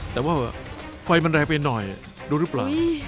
แต่ว่าไฟมันแรงไปหน่อยดูหรือเปล่า